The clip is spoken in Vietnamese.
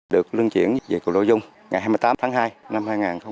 được lươn chuyển về cục lộ dung ngày hai mươi tám tháng hai năm hai nghìn một mươi sáu